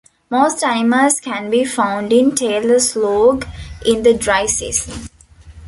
Most animals can be found in Taylor Slough in the dry season.